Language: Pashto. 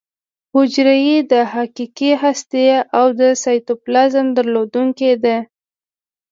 حجره یې د حقیقي هستې او سایټوپلازم درلودونکې ده.